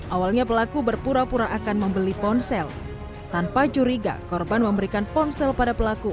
awalnya pelaku berpura pura akan membeli ponsel tanpa curiga korban memberikan ponsel pada pelaku